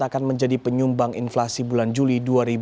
akan menjadi penyumbang inflasi bulan juli dua ribu dua puluh